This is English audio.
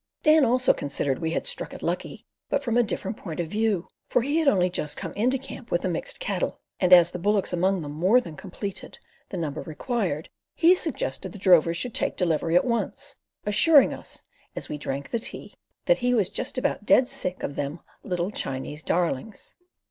Dan also considered we had "struck it lucky," but from a different point of view, for he had only just come into camp with the mixed cattle, and as the bullocks among them more than completed the number required, he suggested the drovers should take delivery at once, assuring us, as we drank the tea, that he was just about dead sick of them "little Chinese darlings."